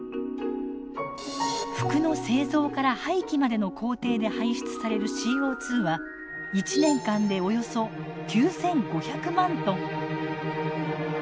服の製造から廃棄までの工程で排出されるＣＯ２は１年間でおよそ９，５００万トン。